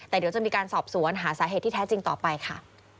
แต่เดี๋ยวจะมีการสอบสวนหาสาเหตุที่แท้จริงต่อไปค่ะ